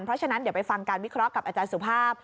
เพราะฉะนั้นเดี๋ยวไปฟังการวิเคราะห์กับอาจารย์สุภาพ